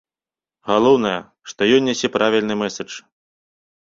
Галоўнае, што ён нясе правільны мэсэдж.